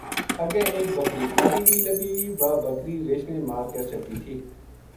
اَگے ایک بکری کھادی وی لَبھی واہ بکری رِچھ نے مار کے سَٹی تھی